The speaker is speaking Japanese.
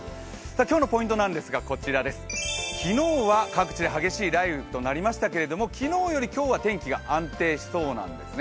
今日のポイントですが、こちらです昨日は各地で激しい雷雨となりましたけれども昨日より今日は天気が安定しそうなんですね。